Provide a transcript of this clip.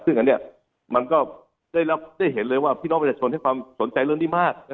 ซึ่งอันนี้มันก็ได้เห็นเลยว่าพี่น้องประชาชนให้ความสนใจเรื่องนี้มาก